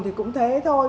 thì cũng thế thôi